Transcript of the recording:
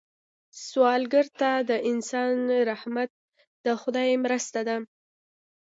سوالګر ته د انسان رحمت د خدای مرسته ده